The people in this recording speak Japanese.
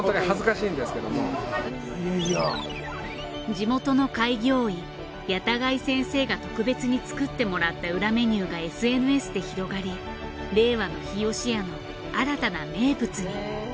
地元の開業医谷田貝先生が特別に作ってもらった裏メニューがＳＮＳで広がり令和の日よしやの新たな名物に。